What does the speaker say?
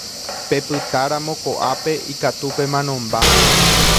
Pepytáramo ko'ápe ikatu pemanomba.